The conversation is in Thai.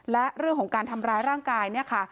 และเรื่องของการทำร้ายร่างกายเนี่ยค่ะ